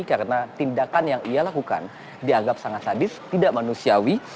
karena tindakan yang ia lakukan dianggap sangat sadis tidak manusiawi